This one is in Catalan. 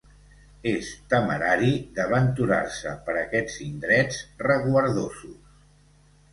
És temerari d'aventurar-se per aquests indrets reguardosos.